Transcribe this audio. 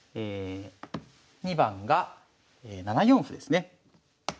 ２番が７四歩ですね。